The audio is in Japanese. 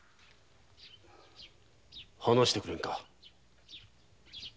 話してくれぬか。